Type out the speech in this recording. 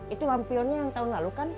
itu lampionnya yang tahun lalu kan